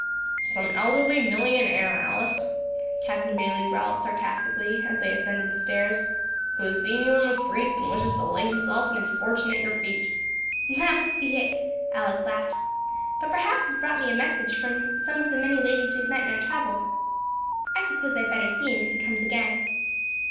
"Some elderly millionaire, Alice," Captain Bayley growled sarcastically, as they ascended the stairs, "who has seen you in the streets, and wishes to lay himself and his fortune at your feet." "That must be it," Alice laughed. "But perhaps he has brought me a message from some of the many ladies we have met in our travels. I suppose I had better see him if he comes again."